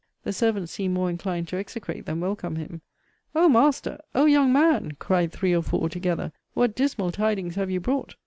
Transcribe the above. The servants seemed more inclined to execrate than welcome him O master! O young man! cried three or four together, what dismal tidings have you brought?